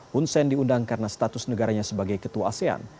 hun sen diundang karena status negaranya sebagai ketua asean